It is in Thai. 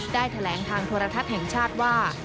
ได้แถลงทางโทรทัศน์แห่งชาติว่า